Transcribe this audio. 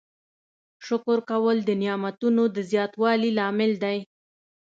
شکر کول د نعمتونو د زیاتوالي لامل دی.